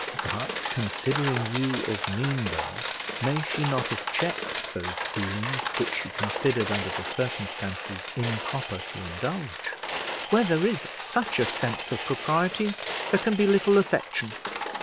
"But, considering you of mean birth, may she not have checked those feelings which she considered under the circumstances improper to indulge?" "Where there is such a sense of propriety there can be little affection."